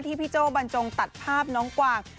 พี่โจ้บรรจงตัดภาพน้องกวาง